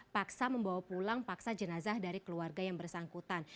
paksa membawa pulang paksa jenazah dari keluarga yang bersangkutan